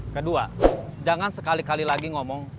kedua jangan sekali kali lagi ngomong